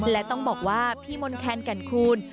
และต้องบอกว่าพี่มนต์แคนแก่นคูณ